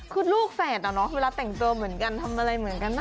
คือลูกแฝดอะเนาะเวลาแต่งตัวเหมือนกันทำอะไรเหมือนกันนะ